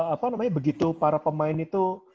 apa namanya begitu para pemain itu